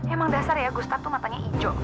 emang dasar ya gustaf tuh matanya hijau